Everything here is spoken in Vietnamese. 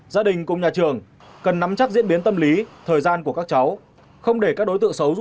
gia đình cùng nhà trường cần nắm chắc diễn biến tâm lý thời gian của các cháu không để các đối tượng xấu